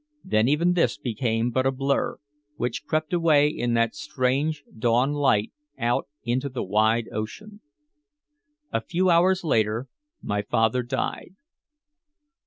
Then even this became but a blur, which crept away in that strange dawn light out into the wide ocean. A few hours later my father died.